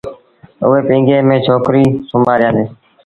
اُئي پيٚگي ميݩ ڇوڪريٚ سُومآريآندي۔